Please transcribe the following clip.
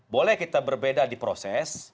boleh kita berbeda di proses